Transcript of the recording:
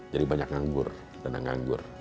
jadi banyak nganggur dana nganggur